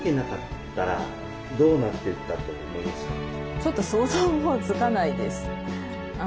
ちょっと想像もうつかないです。